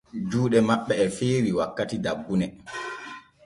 Juuɗe maɓɓ e feewi wakkati dabbune.